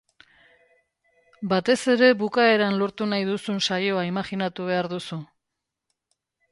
Batez ere bukaeran lortu nahi duzun saioa imajinatu behar duzu.